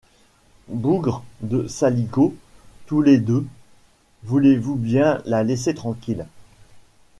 Bougres de saligots, tous les deux ! voulez-vous bien la laisser tranquille !...